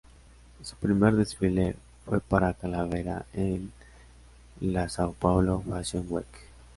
Su primer desfile fue para Cavalera en la São Paulo Fashion Week.